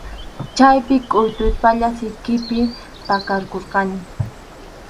Chaypi kʼuytuspalla sikipi pakakurqani.